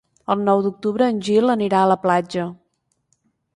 El nou d'octubre en Gil anirà a la platja.